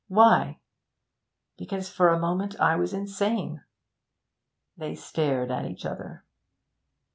'Why?' 'Because for a moment I was insane.' They stared at each other.